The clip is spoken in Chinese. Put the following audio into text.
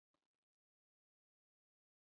宽政九年。